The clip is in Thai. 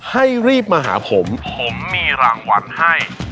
ให้รีบมาหาผมผมมีรางวัลให้